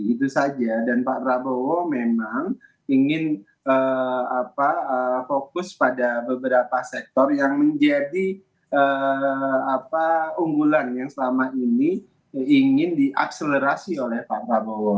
itu saja dan pak prabowo memang ingin fokus pada beberapa sektor yang menjadi unggulan yang selama ini ingin diakselerasi oleh pak prabowo